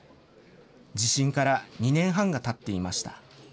地震から２年半がたっていました。